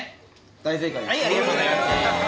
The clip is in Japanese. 大正解です。